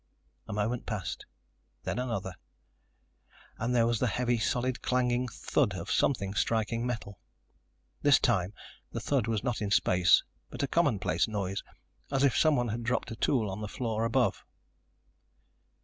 A moment passed, then another, and there was the heavy, solid clanging thud of something striking metal. This time the thud was not in space, but a commonplace noise, as if someone had dropped a tool on the floor above.